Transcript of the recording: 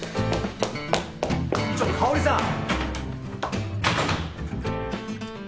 ちょっと香織さん！